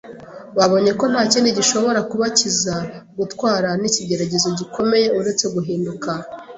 Babonye ko nta kindi gishobora kubakiza gutwarwa n’ikigeragezo gikomeye uretse guhinduka